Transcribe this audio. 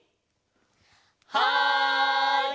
はい！